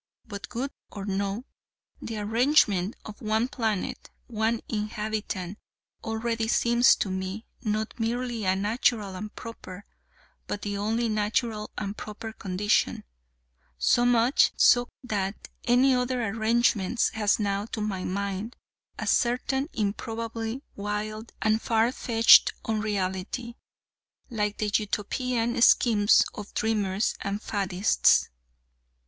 But good or no, the arrangement of One planet, One inhabitant, already seems to me, not merely a natural and proper, but the only natural and proper, condition; so much so, that any other arrangement has now, to my mind, a certain improbable, wild, and far fetched unreality, like the Utopian schemes of dreamers and faddists.